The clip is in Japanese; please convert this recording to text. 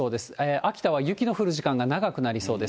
秋田は雪の降る時間が長くなりそうです。